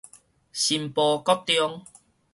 新埔國中